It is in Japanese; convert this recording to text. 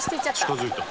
「近づいた」